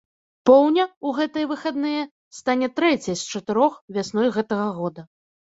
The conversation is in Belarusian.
Поўня ў гэтыя выхадныя стане трэцяй з чатырох вясной гэтага года.